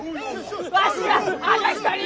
わしはあの人に！